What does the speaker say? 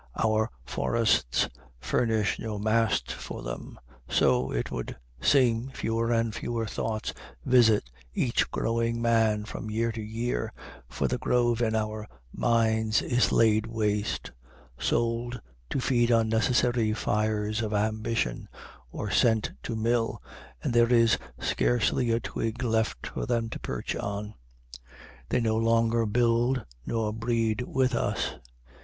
Our forests furnish no mast for them. So, it would seem, few and fewer thoughts visit each growing man from year to year, for the grove in our minds is laid waste, sold to feed unnecessary fires of ambition, or sent to mill, and there is scarcely a twig left for them to perch on. They no longer build nor breed with us.